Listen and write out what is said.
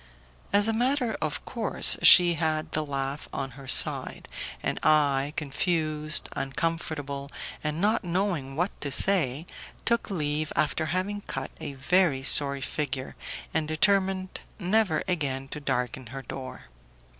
As a matter of course, she had the laugh on her side, and I, confused, uncomfortable and not knowing what to say, took leave after having cut a very sorry figure, and determined never again to darken her door.